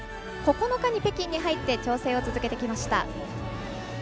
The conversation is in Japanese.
９日に北京に入って調整を続けてきました。